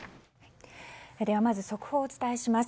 まず速報をお伝えします。